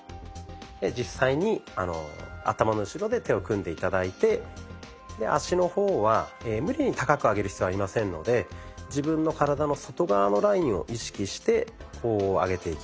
実際に頭の後ろで手を組んで頂いてで脚の方は無理に高く上げる必要はありませんので自分の体の外側のラインを意識してこう上げていきます。